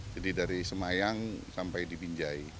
jadi dari semayang sampai di binjai